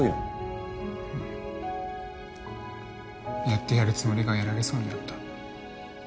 やってやるつもりがやられそうになった。